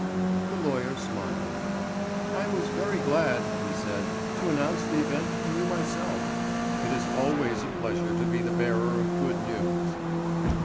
The lawyer smiled. "I was very glad," he said, "to announce the event to you myself. It is always a pleasure to be the bearer of good news."